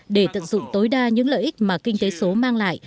để tận dụng tối đa những lợi ích mà kinh tế số mang lại